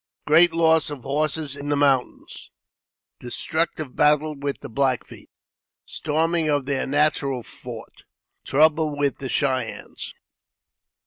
Great Loss of Horses in the Mountains — Destructive Battle with the Black Feet — Storming of their Natural Fort — Trouble with the Cheyennes.